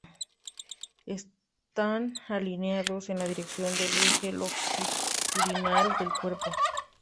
Están alineados en la dirección del eje longitudinal del cuerpo.